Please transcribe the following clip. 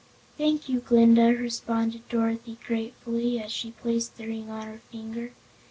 "Thank you, Glinda," responded Dorothy gratefully, as she placed the ring on her finger.